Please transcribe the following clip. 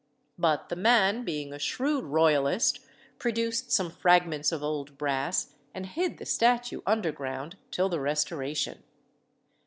But the man, being a shrewd Royalist, produced some fragments of old brass, and hid the statue underground till the Restoration.